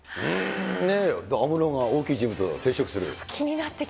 安室が大きい人物と接触する。